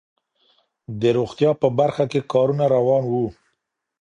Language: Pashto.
د روغتيا په برخه کي کارونه روان وو.